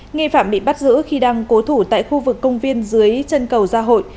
nghi phạm bị bắt giữ khi đang cố thủ tại khu vực công viên dưới chân cầu gia hội